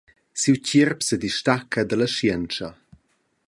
Siu tgierp sedistacca dalla schientscha.